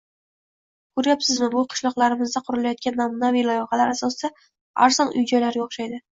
Ko'ryapsizmi, bu qishloqlarimizda qurilayotgan namunaviy loyihalar asosida arzon uy -joylarga o'xshaydi